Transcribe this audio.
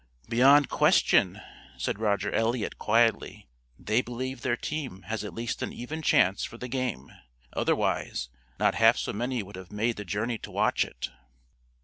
"Beyond question," said Roger Eliot quietly, "they believe their team has at least an even chance for the game; otherwise, not half so many would have made the journey to watch it."